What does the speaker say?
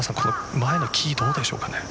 前の木どうでしょうかね。